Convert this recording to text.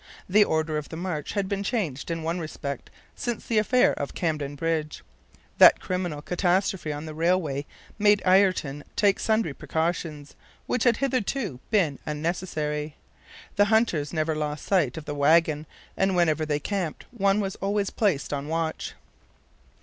The order of the march had been changed in one respect since the affair of Camden Bridge. That criminal catastrophe on the railway made Ayrton take sundry precautions, which had hitherto been unnecessary. The hunters never lost sight of the wagon, and whenever they camped, one was always placed on watch.